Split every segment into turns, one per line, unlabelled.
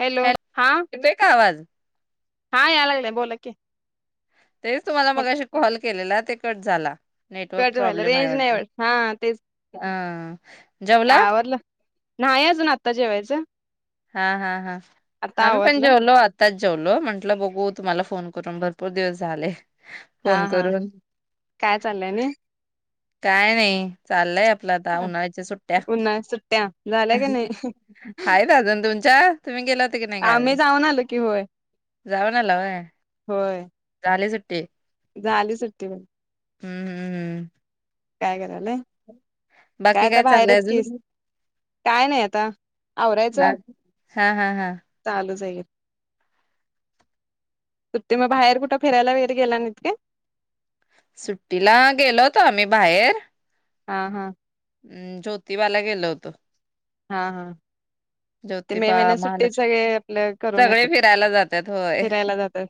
Hello हा
येतोय का आवाज?
हा यालागलाय बोला की
तेच तुमला मगाशी कॉल केलेला ते कट झाला नेटवर्क
कट व्हायल
प्रॉब्लेम आहे
रेंज नाही
वाटतं.
वाट हा तेच
अ ह
का आवरलं नाही अजून आत्ता जेवायचं
हा हा हा
आता
आम्ही पण
आवरलं
जेवलो आत्ताच जेवलो म्हंटलं बघू तुम्हाला फोन करून भरपूर दिवस झाले
हा
फोन
हा
करून
काय चाललंय आणि
काय नाही चाललंय आता उन्हाळ्याच्या सुट्टया
उन्हाळ्यात सुट्ट्या झाल्या का नाही
हायत अजून तुमचा तुम्ही गेला ति की नाही
आम्ही
गावी
जाऊन आलो की होय
जाऊन आला होय
होय
झाली सुट्टी ते
झाली सुट्टी प
हम्म हम्म हम्म
काय करायलाय? काय
बाकी
आता
चाललंय
बाहेरच केस,
अजून?
काय नाही आता,
हा
आवरायचं,
हा हा हा
चालूच आहे सुट्टी म बाहेर कुठे फिरायला वगैरे गेला नाहित काय?
सुट्टीला गेलो होतो आम्ही बाहेर
हा हा
हम् ज्योतिबाला गेल होतो.
हा हा ते मे
ज्योतिबा
महिन्यात सुट्टीत
महालक्ष्मी
सगळे आपल करून
सगळे
येतात
फिरायला जातात होय.
फिरायला जात्यात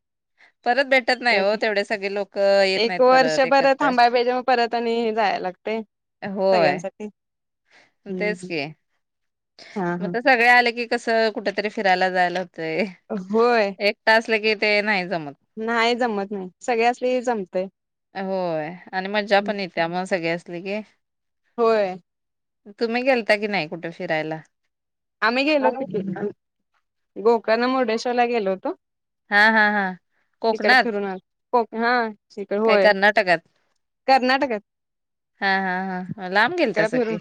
परत भेटत नाही हो तेवढे सगळे लोक येत
एक
नाहीत परत
वर्षभर
एकत्र
थांबाय पाहिजे म परत आणि जाया लागतय
होय.
सगळ्यांसाठी हम्म
तेच
हम्म
की
हा
मग
हा.
त सगळे आले की कस कुठतरी फिरायला जायला तय
होय
एकट असल की ते नाही जमत
नाही जमत नाही सगळे असले जमतेय
होय आणि मज्जा
हम्म
पण येत्या [unintelligible]
होय
तुम्ही गेलता की नाही कुठं? फिरायला
आम्ही गेलो
हा
होतो की गो क ना मुर्डेश्वरला गेलो होतो
हां हां हां कोकणात
कोकणा तिकळं
काय
होय
कर्नाटकात
कर्नाटकात
हा हा हा लांब
तिकळं
गेलतासा की
फिरून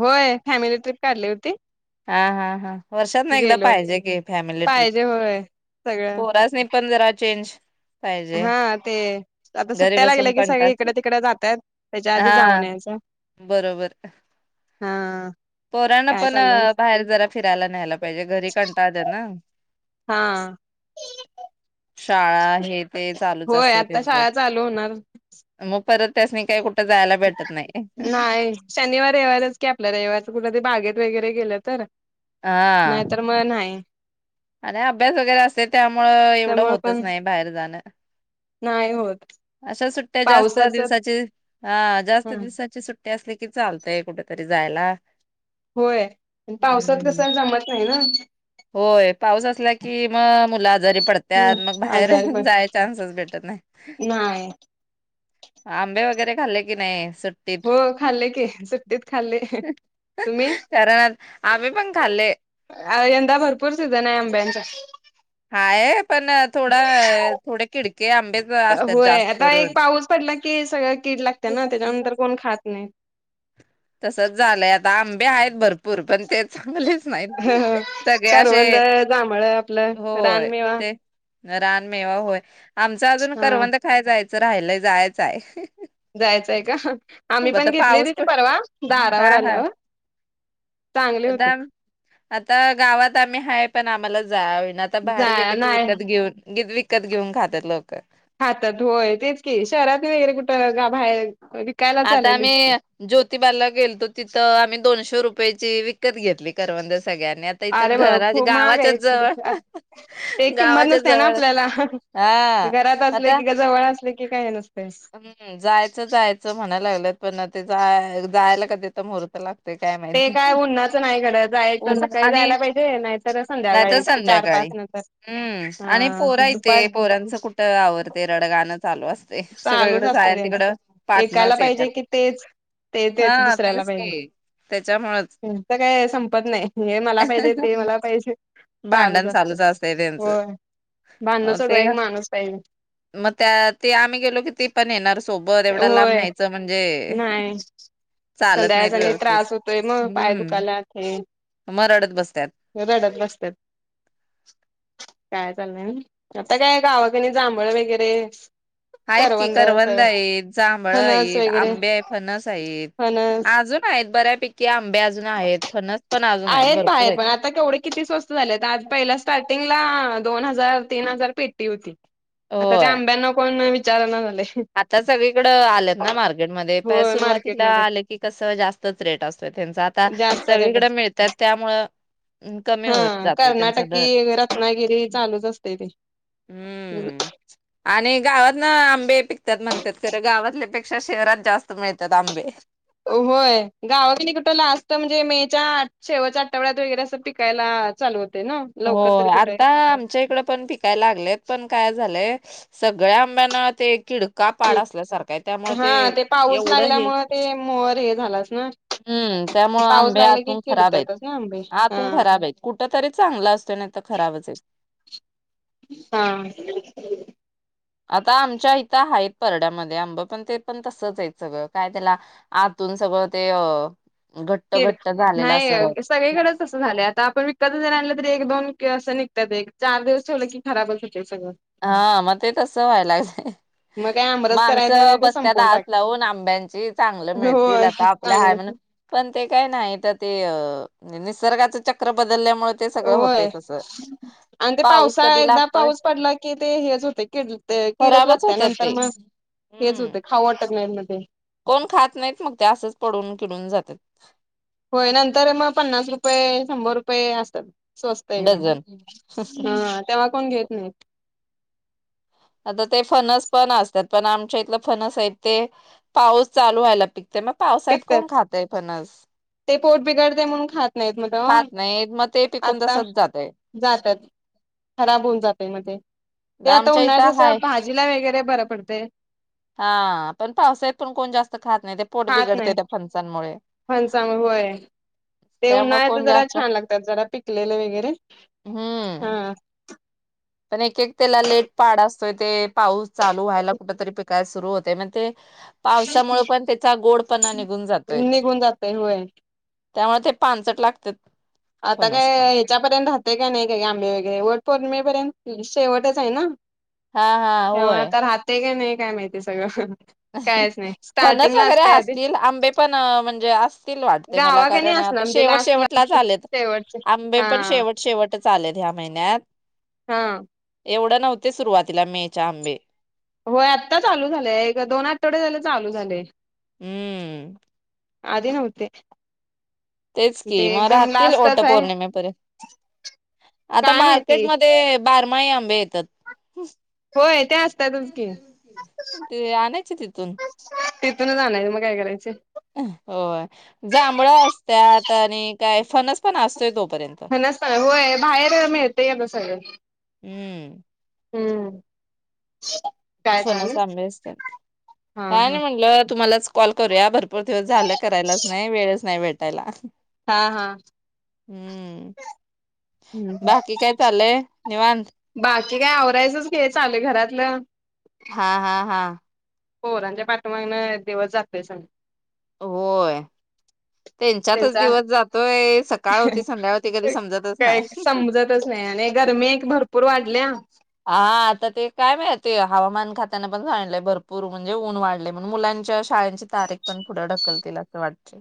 होय फॅमिली ट्रिप काढली होती.
हां हां हां वर्षात ना एकदा
गेलो
पाहिजे की फॅमिली ट्रिप
पाहिजे होय
पोरास्नी पंधरा चेंज पाहिजे.
हां ते आता
घरी
सुट्टया
बसून
लागल्या की
कंटाळ
सगळे इकडे तिकडे जातात त्याच्या आधी जाऊन
हा
यायचं
बरोबर
हां
पोरांना पण बाहेर जरा फिरायला न्यायला पाहिजे घरी कंटाळतात ना
हा
शाळा आहेत
होय आत्ता शाळा चालू होणार
मग परत त्यासनी काय कुट
नाही शनिवार रविवारच कि आपला रविवार गुला ते बागेत वगैरे गेलं तर नाही
हा
तर म नाही
आणि अभ्यास वगैरे असते त्यामुळं एवढं
त्यामुळे
होतच
पण
नाही बाहेर जाणं,
नाही होत
अशा सुट्टी सुट्ट्या जास्त
पावसाच
दिवसाचे हां जास्त दिवसाचे सुट्या त्यासनी ते चालतंय कुठं तर जायला
होय पावसात
हम्म
कसं जमत नाही ना
होय पाऊस असला कि म मुलं आजारी पडत्यात मग बाहेर
आजारी पण
जाय चान्सच भेटत नाही
नाही
हां आंबे वगैरे खाल्ले की नाही सुट्टीत
हो खाल्ले की सुट्टीत खाल्ले तुम्ही
[unintelligible] कारण आम्ही पण खाल्ले
यंदा भरपूर सिझन आहे आंब्यांचा
हाये पण थोडा थोडे किडके आंबेच असतात
होय
जास्त
आता एक
करून
पाऊस पडला की सगळं कीड लागते ना त्याच्यानंतर कोण खात नाही
तसच झालंय आता आंबे आहेत भरपूर पण ते चांगलेच नाही सगळे असे
करवंद जांभळ आपलं
होय
रानमेवा
ते रानमेवा होय आमचा अजून
हा
करवंद खाय जायचं राहिलाय जायचं आहे.
जायचंय का आम्ही पण
आता
घेतलेली
पाऊस
ती
पण
परवा
हा
दारावर
हा
आल्यावर चांगले होते
आता गावात आम्ही हाय पण आम्हाला जावेना आता बाहेर
जा
गेले की
नाही
उत्यात घेऊन ग विकत घेऊन खातात लोकं
हातात होय तेच की शहरात वगैरे कुठं गा बाहेर विकायला
आता आम्ही
चालेलीच की
ज्योतिबाला गेलतो तिथं आम्ही दोनशे रुपयाची विकत घेतली करवंद सगळ्यांनी आता इथ
अरे बा
घरा
खूप महाग
गावाच्याच जवळ,
आहे
[unintelligible]
ते किंमत
गावाच्या
नसते ना
जवळ
आपल्याला
हा आता
ते काय नस
हूं जायचं जायचं म्हणाय लागलंत पण ते जाय जायला काय तिथ मुहूर्त लाग ते काय
ते
माहिती
काय उन्हाचं नाही घड जाय
हो
तर सकाळी
आणि
जायला पाहिजे नाहीतर
नाही तर
संध्याकाळी चार पाच
संध्याकाळी
नंतर
हम्म आणि
हा
पोरा
दुपार
इथे पोर्यांचं कुठ आवरते रड गाणं चालू अस
चालूच असते त्यांच एकाला
पाटणच
पाहिजे
येतात
की तेच ते तेच
हा
दुसऱ्याला पाहिजे
की त्याच्यामुळेच
त्यांच काय संपत नाही हे मला पाहिजे ते मला पाहिजे
भांडण चालूच असतय त्यांचं
होय भांडण सोडवाय
ते
एक माणूस पाहिजे
म त्या ते गेलो की ती पण येणार सोबत एवढा लांब
होय
न्यायचं म्हणजे
नाही
चालत नाहीत
संध्याकाळचा लय
व्यवस्थित
त्रास होतोय मग पाय
हम्
दुखायला हे
म रडत बसत्यात
रडत बसतात काय चाललंय आता काय गावा कनी जांभळ वगैरे
आहेत कि करवंद आहेत, जांभळ
फणस
आहेत,
वगैरे
आंबे, फनस आहेत
फणस
अजून आहेत बऱ्यापैकी आंबे अजून आहेत फनस पण अजून आहेत भरपूर
बाहेर
आहेत.
पण आता केवढे किती स्वस्त झालेत आज पहिला स्टार्टिंगला दोन हजार, तीन हजार पेट्टी होती. आता त्या
होय.
आंब्याना विचारणा झालय
आता सगळीकडं आलेत ना मार्केटमध्येध्ये प
होय
सुरुवातीला
मार्केटमध्ये
आले कि कसं जास्तच रेट असतोय. त्यांचा आता
जास्त रेट
सगळीकडे मिळतात त्यामुळं कमी होत
हा
जाते, त्यांचा
कर्नाटकी
दर
रत्नागिरी चालूच असते ते.
हम्म आणि गावात ना आंबे त्यात म्हणतात खरं गावातल्या पेक्षा शहरात जास्त मिळत्यात आंबे
होय त्या शेवटच्या आठवड्यात वगैरे असं पिकायला चालू होत
हो आता आमच्या इकड पण पिकायला लागलेत पण काय झालय सगळ्या आंब्यांना ते कीड का पाड असल्यासारखा आहे त्यामुळे ते
हा
एवढं हे
झाल अस
हम्म त्यामुळं आंबे
की
आतून खराब आहेत
किडतातच ना आंबे हा
आतून खराब आहेत कुठ तरी चांगला असतो नाही तर खराबच आहेत.
हा
आता आमच्या इथं आहेत परड्यामध्ये आंब पण ते पण तसच आहेत सगळं काय त्याला आतून सगळं ते घट्ट
किड
घट्ट झालेलं असं
नाही सगळीकडेच असं झालंय आता आपण विकत जरी आणलं तरी एक दोन असं निघतात एक चार दिवस ठेवलं की खराब अस
हा मग ते तसं व्हायला लागलंय मग
मग काय आमरस करायचा नाही
माणसं
ते
बस्त्यात
संपवून
आस
टाक
लावून आंब्यांची चांगलं मिळतील
होय
आता आपलं हाय
चांगलं
म्हणून पण ते काय नाही तर ते निसर्गाच चक्रब
होय आणि ते
पाऊस
पावसा
कधी
एकदा
लागतोय
पाऊस पडला की ते हेच होतय किड कीडच
खराबच
लागत्या
होत्यात
नंतर
ते.
मग हेच
हम्म
होते खा तग् नाही ममध्ये
कोण खात नाहीत मग ते असच पडून किडून जातात
होय नंतर मग पन्नास रुपये शंभर रुपये असतात स्वस्त एकदम
डझन.
हा तेव्हा कोण घेत नाहीत?
आता ते फनस पण असतात पण आमच्या इथलं फनस आहेत ते पाऊस चालू व्हायला पिक
पिकतात ते पोट बिघडते म्हणून खात नाहीत
खात
म्हण
नाहीत मग ते पिकून
आत्ता
तसच जातय
जात्यात खराब होऊन जातय मग ते आता
आमच्या
उन्हाळ्याच
इथं हा पण पावसा्यात पण कोण जास्त खा पोट बिघडते त्या फनसांनमुळे
फणसान होय ते
त्यामुळे
उन्हाळ्याच
कोण
जरा
जास्त
छान लागतात जरा पिकलेलं वगैरे हा
हम्म पण एक एक त्याला लेट पाड असतोय ते पाऊस चालु व्हायला कुठतरी पी काल सुरू होते मग ते पावसामुळे पण त्याचा गोडपणा निघून जातोय
निघून जातय होय
त्यामुळे ते पानचट लागत्यात
आता काय ह्याच्यापर्यंत राहते काय नाही काय आंबे वगैरे वटपोरनिमे र्यंत शेवटच आहे ना?
हा हा
तेव्हा
होय
आता राहते का नाही काय माहितीय सगळं कायच नाही
फणस
स्टार्टिंगला
वगैरे
असते आधी
असतील आंबे पण म्हणजे असतील वाटते मला
गावा का नाही
कारण
असणार
आता
म्हणजे
शेवट
लास्ट
शेवटला झा
शेवटचे
आंबे
हा
पण शेवट शेवटच आलेत ह्या महिन्यात
हा!
एवढं नव्हते सुरुवातीला मे च्या आंबे
होय आत्ता चालू झालंय येक दोन आठवडे झाले चालू झालय
हम्म!
आधी न्हवते
तेच कि म राहतील ओट
आहे
पौर्णिमेपर्यंत आता
काय माहिती
मार्केटमध्ये बारमाइ बेतात
होय ते असत्यातच कि
ते आणायचे तिथून
तिथूनच आणायचे मग काय करायचे?
होय जांभळ असत्यात आणि काय फणस पण अस
फणस पण होय, बाहेर मिळतय आता सगळं
हम्म
हूं
फणस आंबे असत्यात
हा
काय नाय
हा
म्हणलं तुम्हालाच कॉल करूया, भरपूर दिवस झालं करायलाच नाही वेळच नाही भेटायला
हा हा.
हूं
हम्म
बाकी काय चाललय? निवांत
हे काय आवरायचच की चाललय घरातल
हा हा हा
पोरांच्या पाठीमागण दिवस जातय सग
होय. त्यांच्यातच
त्यांचा
दिवस जातोय, सकाळ होती संध्या होती कधी समजतच
काय
नाय.
पूर वाढल्या
हा आता ते काय माहिती हवामान खात्यान पण सागिंतलय, भरपूर म्हणजे ऊन वाढले म्हणून मुलांच्या शाळेंची तारीख पण पुढं ढकलतील असं वाटतय.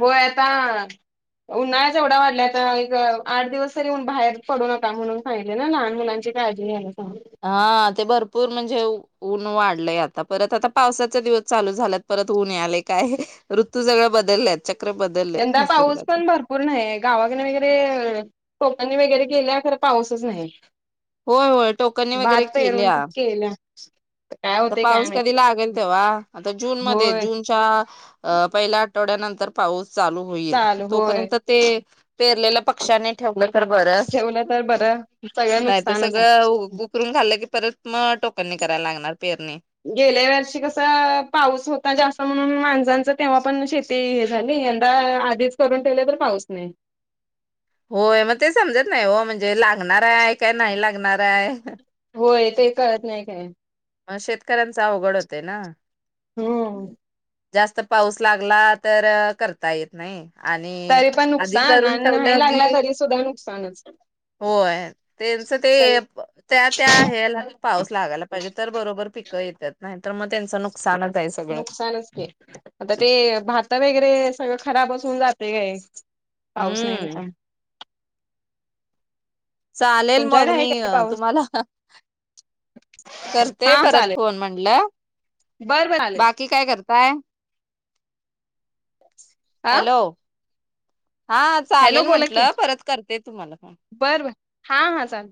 होय, आता उन्हाळाच एवढा वाढलाय आता एक आठ दिवस तरी बाहेर पडू नका म्हणून सांगितलय ना लहान मुलांची काळजी घ्यायला सांगितले
हा ते भरप पूर म्हणजे ऊन वाढलय, आता परत आता पावसाचा दिवस चालू झाल्यात परत ऊन यालय काय ऋतू सगळ बदलल्यात चक्र बदललय
यंदा पाऊस
निसर्गाचे
पण भरपूर नाहीये, गावाकने वगैरे णि वगैरे केल्या, खर पाऊसच नाही
होय होय टोकनी
भात
वगैरे
पेरून
केल्या
[inaudible]
आता
काय
पाऊस कधी
माहिती
लागेल तेव्हा, आता जून मध्ये
होय
जूनच्या अअ पहिला ठवड्यानंतर पाऊस चालू होईल
चालू होय
तोपर्यंत ते पेरलेल पक्ष्यांनी ठेवलं तर बरं,
ठेवलं तर बरं सगळं
नाही तर
नुकसानच आहे
सगळं उकरून खाल्लं की परत मग टोकन निग करायला लागणार पेरणी.
गेल्या वर्षी कसा पाऊस होता जास्त म्हणून मान त्यानंचं तेव्हा पण शेती झाली, यंदा आधीच करून ठेवले तर पाऊस नाही.
होय मग ते समजत नाही हो म्हणजे लागणार आहे? काय नाही लागणार आहे?
होय, ते कळत नाही काय
म शेतकऱ्यांच अवघड होतय ना
हूं
जास्त पाऊस लागला, तर करता येत नाही. आणि
तरी पण
आधी
नुकसान
करून
आणि नाही
ठेवलं की
लागला तरी सुद्धा नुकसानच
होय त्येनंच ते
सगळे
त्या त्या ह्येला पाऊस लागायला पाहिजे तर बरोबर पिक क येत्यात, नाही त म त्यांच नुकसान
नुकसानच ते आता ते भात वैगरे सगळ खराबच होऊन जाते काय पाऊस नाही
हम्म
त्याच्यामुळ
चालेल मग
तुमच्याकडे आहे
मी
काय पाऊस?
तुम्हाला करते परत फोन म्हटलं
बरं बर आले
बाकी काय
हा
हॅलो हा
हॅलो
चालेल
बोला की
म्हंटलं परत करते तुम्हाला पण
बर बर हा हा चालेल.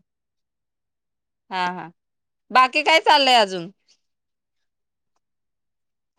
हा हा बाकी काय चाललंय अजून हा